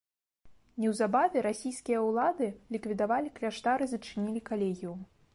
Неўзабаве расійскія ўлады ліквідавалі кляштар і зачынілі калегіум.